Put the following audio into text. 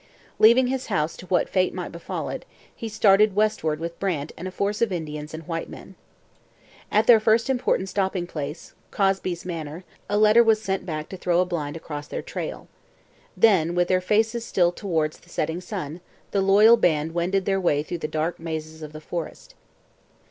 Leaving his house to what fate might befall it, he started westward with Brant and a force of Indians and white men. At their first important stopping place, Cosby's Manor, a letter was sent back to throw a blind across their trail. Then, with their faces still towards the setting sun, the loyal band wended their way through the dark mazes of the forest.